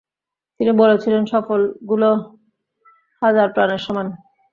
তিনি বলেছিলেন, সফল গুলো হাজার প্রাণের সমান।